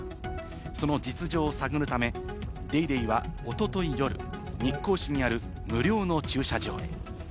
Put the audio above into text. その実情を探るため、『ＤａｙＤａｙ．』はおととい夜、日光市にある無料の駐車場へ。